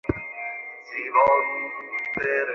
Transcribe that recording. এবার দীর্ঘ সময় পর আবার এক ফ্রেমে বন্দী হলেন রিয়াজ ও অপু।